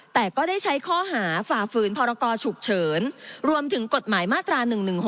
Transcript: แต่ก็ได้ใช้ข้อหาฝ่าฝืนพรกรฉุกเฉินรวมถึงกฎหมายมาตรา๑๑๖